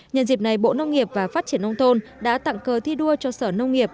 nhân dịp này bộ nông nghiệp và phát triển nông thôn đã tặng cờ thi đua cho sở nông nghiệp